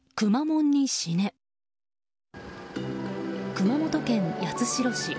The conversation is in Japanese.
熊本県八代市。